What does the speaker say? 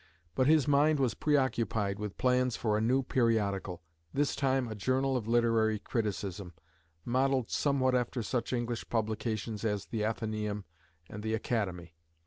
But his mind was preoccupied with plans for a new periodical this time a journal of literary criticism, modeled somewhat after such English publications as "The Athenæum" and "The Academy."